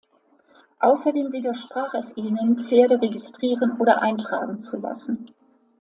Außerdem widersprach es ihnen, Pferde registrieren oder eintragen zu lassen.